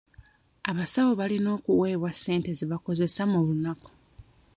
Abasawo balina okuweebwa ssente ze bakozesa mu lunaku.